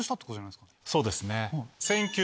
そうですね。